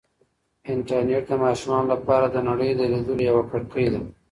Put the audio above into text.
انټرنیټ د ماشومانو لپاره د نړۍ د لیدلو یوه کړکۍ ده.